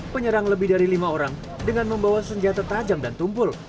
penyerang lebih dari lima orang dengan membawa senjata tajam dan tumpul